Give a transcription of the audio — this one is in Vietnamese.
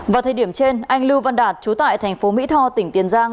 vào thời điểm trên anh lưu văn đạt trú tại thành phố mỹ tho tỉnh tiền giang